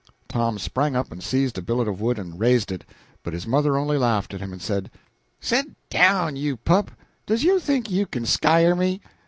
Tom sprang up and seized a billet of wood and raised raised it; but his mother only laughed at him, and said "Set down, you pup! Does you think you kin skyer me?